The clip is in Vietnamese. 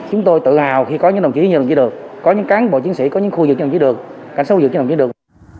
chúng tôi tự hào khi có những đồng chí như đồng chí được có những cán bộ chiến sĩ có những khu vực như đồng chí được cảnh sát quốc vực như đồng chí được